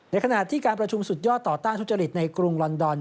ขณะที่การประชุมสุดยอดต่อต้านทุจริตในกรุงลอนดอน